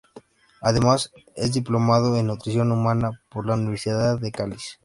Además, es diplomado en Nutrición Humana por la Universidad de Cádiz.